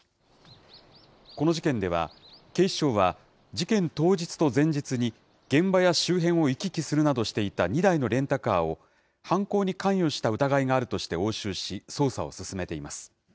この事件では、警視庁は、事件当日と前日に、現場や周辺を行き来するなどしていた２台のレンタカーを、犯行に関与した疑いがあるとして押収し、捜査を進めています。